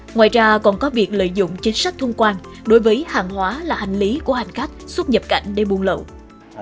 ngoài ra còn có việc lợi dụng chính sách thông quan đối với hàng hóa là hành lý của hành khách xuất nhập cảnh để buôn lậu